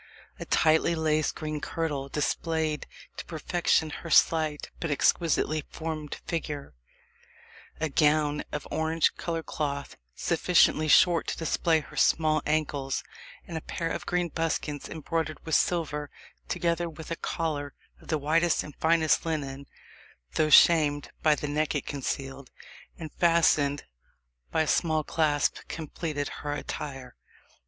A tightly laced green kirtle displayed to perfection her slight but exquisitely formed figure A gown of orange coloured cloth, sufficiently short to display her small ankles, and a pair of green buskins, embroidered with silver, together with a collar of the whitest and finest linen, though shamed by the neck it concealed, and fastened by a small clasp, completed her attire.